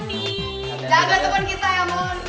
jagain temen kita amon